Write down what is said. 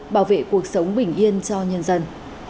bảo vệ cuộc sống bình yên cho nhân dân